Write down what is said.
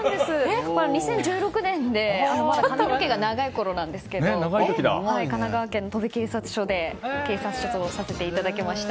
２０１６年でまだ髪の毛が長いころなんですが神奈川県の警察署で警察署長をさせていただきました。